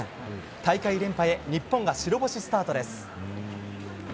大会連覇へ日本が白星スタートです。